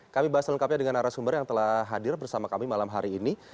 kami bahas lengkapnya dengan arah sumber yang telah hadir bersama kami malam hari ini